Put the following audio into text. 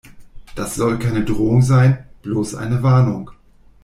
Das soll keine Drohung sein, bloß eine Warnung.